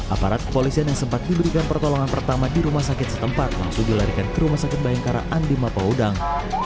aparat kepolisian yang sempat diberikan pertolongan pertama di rumah sakit setempat langsung dilarikan ke rumah sakit bayangkara andi mapaudang